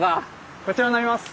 こちらになります。